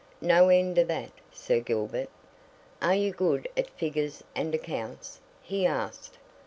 "No end of that, Sir Gilbert!" "Are you good at figures and accounts?" he asked.